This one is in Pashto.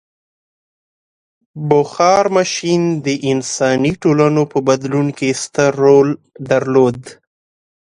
• بخار ماشین د انساني ټولنو په بدلون کې ستر رول درلود.